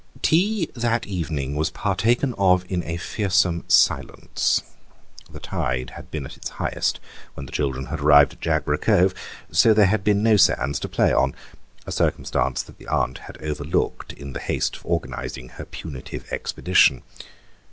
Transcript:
Tea that evening was partaken of in a fearsome silence. The tide had been at its highest when the children had arrived at Jagborough Cove, so there had been no sands to play on—a circumstance that the aunt had overlooked in the haste of organising her punitive expedition.